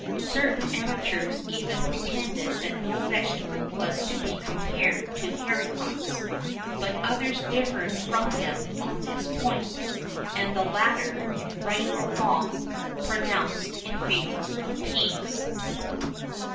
Certain amateurs even pretended that no vegetable was to be compared to haricots;[VIII 25] but others differed from them on this point; and the latter, right or wrong, pronounced in favour of peas.